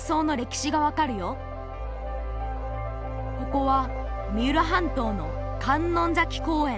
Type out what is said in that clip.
ここは三浦半島の観音崎公園。